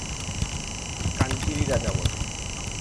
কাঞ্চীরই রাজা বটে।